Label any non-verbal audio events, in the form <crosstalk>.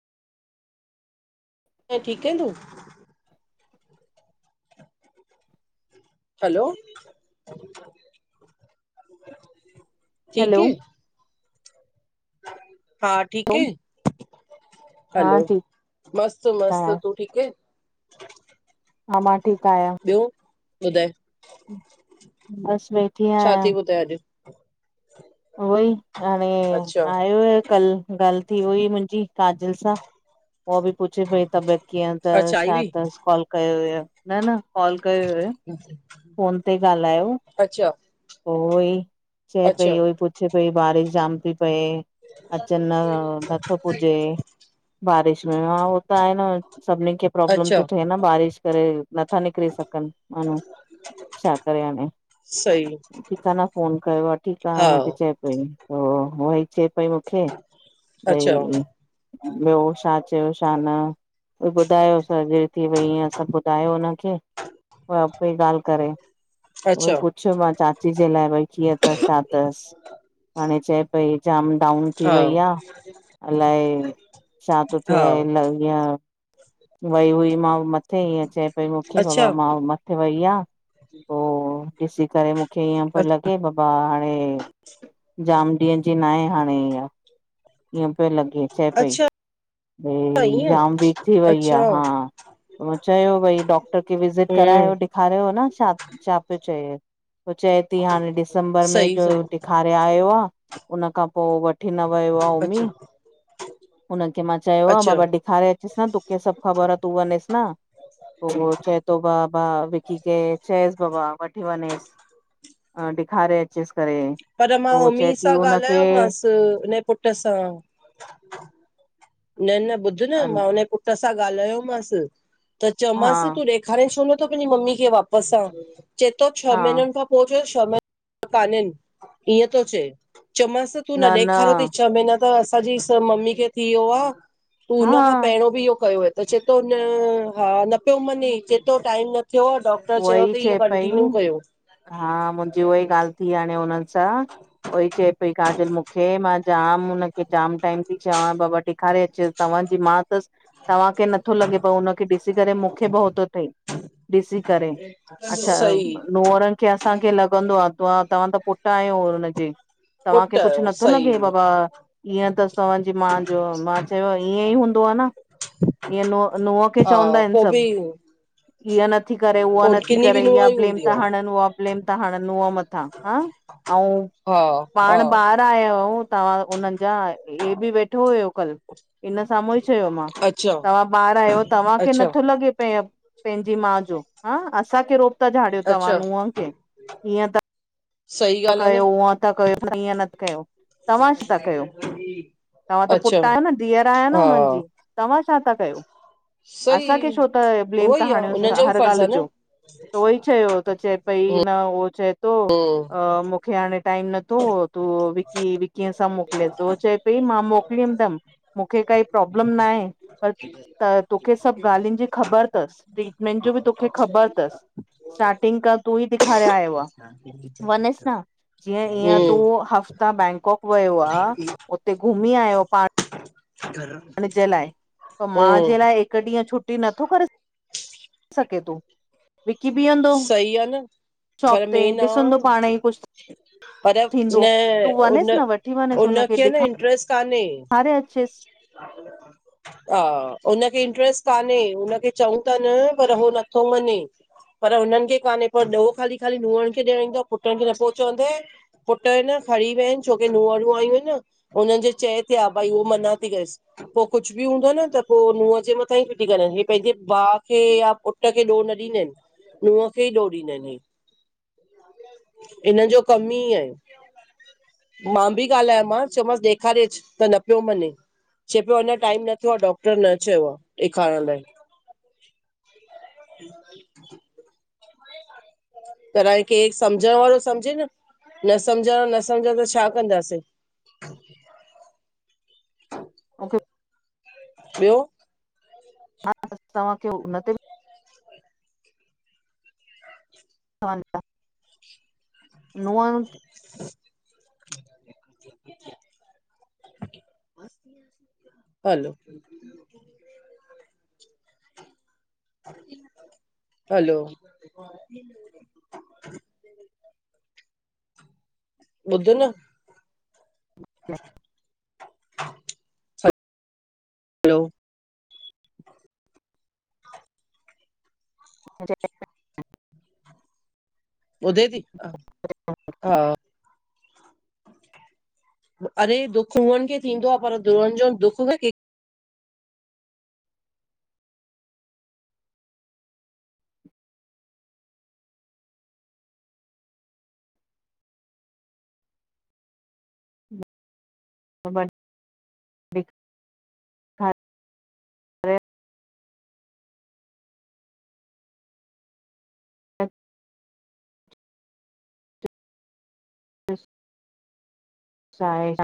किय ठीक आहे तूं? हलो! हैलो ठीकु आहे? हां, ठीक आहे। हा हलो! ठीकु मस्त-मस्त आहियां, तूं ठीक आहे? हां, मां ठीक आहियां। ॿियो ॿुधाए? बस वेठी आहियां। त अॼु उहोई, हाणे अच्छा आयो आहे कल ॻाल्हि थी उ ई मुंहिंजी काजल सां। उहा बि पुछे पई, तबियत कीअं अच्छा तस? आई छा हुई अथस कॉल कयो हुयो? न-न कॉल कयो हु। अच्छा! पोइ उहो, ई चए पई, अच्छा उहो ई पुछे पई बारिश जाम थी पए। अचन न नथो पुजेे बारिश में। हां होह त आहे न। सभिन खे प्रॉब्लम अच्छा थो थिए न, बारिश करे नथा निकरी सघन माण्हू। छा करे हाढे? सईी। ठीक आहे न। फोन कयो आहे। ठीक आहे। हुनखे चए पई, उई चए पई मूंखे अच्छा भई ॿियो छा चयो छा न? ॿुधायो सर्जरी थी वई इअं। सभ ॿुधायो हुनखे। पई ॻाल्हि करे। उहई अच्छा पुछियो मां। चाची जे लाइ। भई, कीअं अथस छा अथस? हाणे चए पई, जाम डाउन थी हा वई आहे। अलाए, छा थो हा थिए अलअ? वई हुई, मां मथे ईअं चए पई मूंखे, कि बाबा मां मथे वई आहे। ठ <inaudible> ॾिसी करे मूंखे ईअं पियो लॻे, बाबा हाणे जाम ॾींहं जी न आहे हाणे इय। ईअं पियो लॻे, चए पई। अच्छा भई, ईअं जाम वीक थी वई अच्छा आहे। हां, चयो भई, डॉक्टर खे विज़िट हम्म करायो न ॾेखारियो न छा छा पियो चए। पोइ चए थी। हाणे डिसंबर में सही जो सही ॾेखार पर आयो आहे। उ खां पोइ वठी न वियो। ममी, अच्छा हुनखे मां चयो आहे। अच्छा बाबा ॾेखारे असा न तूंखे सभ ख़बर आहे। तूं वनञेस न। पोइ चए थो भाउ भाउ विकी खे चयेस पोइ भाउ वठी वञेसि। अ ॾेखारे अचसि करे उह चए की हुनखे त हिन पुट सां। न, न ॿुध न मां हुनजे पुट सां ॻाल्हायोमस त हा चयोमांस तूं ॾे खणे छो नथ पंहिंजी मम्मी खे वापसि सां चए थो छह हा महीननि खां पोइ जो <unintelligible> काननि ईअं थो चए चव मास तूं न ॾेखारियो थई छह महीना त असांजी स मम्मी खे थी वियो आह। तूं हुन खां हा पहिरियों बि इहो कयोवय। त चए थो, न हा, न पियो मञे चए तो टाइम न थियो आ उ वई चए पई हा मुंहिंजी उहाई ॻाल्हि थी हाणे हुननि सां उहई चए पई काजल मूंखे मां जाम हुन की जाम टाइम थी चवा बाबा ॾेखारे अचुस तव्हांजी माउ थस। तव्हांखे नथो लॻे पियो हुनखे ॾिसी करे मूंखे भउ थो थई, ॾिसी करे अच्छा सही नुहरनि खे असांखे लॻंदो आह त्वां त तव्हां पुट ट उनजे पुट तव्हांखे कुझु आहियो नथो सही लॻेव ब ईअं त तवा जी माउ जो मां चयो ईअं ई हूंदो आह न। ईअं नुह नुहं खे हा चवंदा आहिन पोइ बि सभु ईअ न इय न थी करे उहा पोइ नथी किनी बि करे नूंहं इयां ई ब्लेम हूंदी त आहे हर <unintelligible> हु ब्लमे था हरण नुह् मथां ह, ऐं हा पाण हा ॿार आया हुयो तव्हां हुननि जा हे बि वेठो हुयो कल। इन साम्हूं ई चयो मां अच्छा तव्हां ॿार आयो तव्हांखे अच्छा नथो लॻे पयो पंहिंजी माउ जो हा असांखे रोब था झाड़ियो तव्हां अच्छा नुहं क ईअं तव सही इय त ॻाल्हि आ कयो न उअं था कयो ईअं न थ कयो। तव्हां छा था कयो? तव्हां त अच्छा पुटु आहियो न धीअर आहियां हा न हुननि जी। तव्हां छा था कयो? सही असांखे छो त ब्लेम उहो त ई आ हणयो, उन्हनि जो बि हर फर्ज़ आ ॻाल्हि न जो त उहोई चयो त चए भई न उहो चए थो। पोइ हा मूखे हाणे टाइम नथो ओ तो विक्की विक्कीअ सां मोकिलेसि हुअ चए पई मां मोकलिदमि। मूंखे काई प्रॉब्लम ना आहे, पर त तोखे सभु ॻाल्हियुनि जी ख़बर थसि ट्रीटमेंट जो बि तोखे ख़बर थसि। स्टारटिंगग कर तू ई ॾेखारे आयो आ, वञेस न जीअं ईअं तूं हूं ह तां बैंकॉक वयो आ उते घुमी आयो पा <unintelligible> लाइ पो माउ हूं जे लाइ हिकु ॾींहुं छुटी नथो करे सघे तो, विक्की ॿीहंदो। सही आ न पर मेंन आ पर, थींदो न तूं उन वञेसि न वठी उनखे न इंट्रेस्ट कान्हे। <unintelligible> अचेस। <inaudible> हा, हुनखे इंट्रेस्ट कान्हे हुनखे चऊं ता न पर हो नथो मञे। पर हुननि खे कान्हे पर ॾो खाली खाली नुहनि खे ॾियण ईंदो आ पुट्रन खे न <unintelligible> पुट इ न खरी विया आहिन, छोकी नूहरूं आयूं आहिनि न। हुननि जे चए ते आ भई हु मना थी करेसि। पोइ कुछ बि हूंदो न त पोइ नुहं जे मथां ई फिटी करन, हे पंहिंजे भाउ खे या पू पुट खे ॾोह न ॾींदा आहिनि नुंहं खे ई ॾोह ॾींदा आहिनि ही। हिन जो कम ई आह मां बि ॻाल्हायो मांस चयोमांसि ॾेखारेचि त न पियो मञे चए पियो अञा टाइम न थियो आ डॉक्टर न चयो आ ॾेखारण लाइ ह <inaudible> तराए कि समझण वारो समझे न न सम्झण न सम्झ दो छा कंदासीं। मूंखे ॿियो हा तव्हांखे हुन ते हा न नूंह <unintelligible> अ <inaudible> हलो हलो हा <inaudible> ॿुध न <inaudible> हलो जय <inaudible> ॿुधे ती हा अरे दुख उनि खे थींदो आ पर दुरनि जो दुख ह ब <unintelligible> ॾेखारे हा <unintelligible> अ <unintelligible> अ <unintelligible>